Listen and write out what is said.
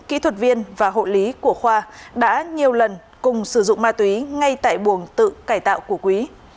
kỹ thuật viên và hộ lý của khoa đã nhiều lần cùng sử dụng ma túy ngay tại buồng tự cải tạo của quý